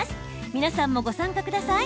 皆さんもご参加ください。